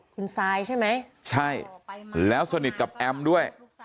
คุณซายใช่ไหมใช่แล้วสนิทกับแอมด้วย